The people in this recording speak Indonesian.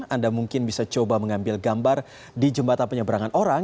anda mungkin bisa coba mengambil gambar di jembatan penyeberangan orang